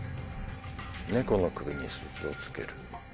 「猫の首に鈴を付ける」。